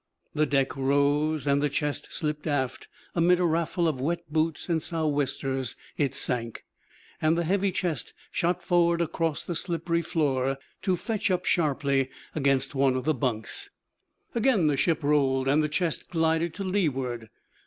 The deck rose, and the chest slipped aft, amid a raffle of wet boots and sou'westers; it sank, and the heavy chest shot forward across the slippery floor, to fetch up sharply against one of the bunks. Again the ship rolled, and the chest glided to leeward.